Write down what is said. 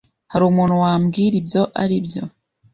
Hari umuntu wambwira ibyo aribyo?